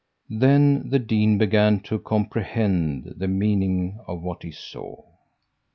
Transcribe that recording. "Then the dean began to comprehend the meaning of what he saw.